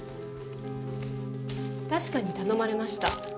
確かに頼まれました。